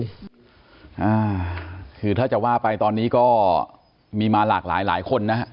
ก็ถือถ้าจะว่าไปตอนนี้ก็มีมาหลากหลายคนนะครับ